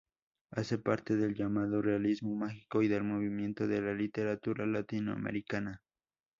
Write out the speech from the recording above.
Hace parte del llamado realismo mágico y del movimiento de la literatura latinoamericana.